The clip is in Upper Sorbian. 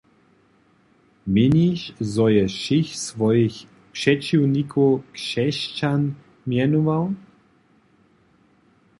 Měniš, zo je wšěch swojich přećiwnikow Křesćan mjenował?